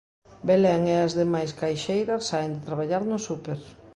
Belén e as demais caixeiras saen de traballar no súper.